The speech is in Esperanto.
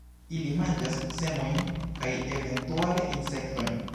Ili manĝas semojn kaj eventuale insektojn.